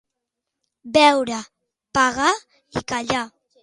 Beure, pagar i callar.